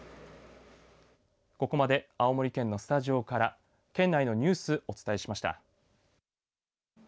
ここまで青森県のスタジオから県内のニュースお伝えしました。